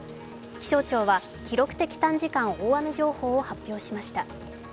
気象庁は記録的短時間大雨情報を発表しました。